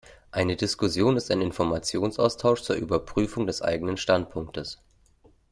Eine Diskussion ist ein Informationsaustausch zur Überprüfung des eigenen Standpunktes.